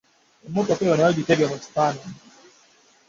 Emmotoka yo nayo giteekemu ebifaananyi.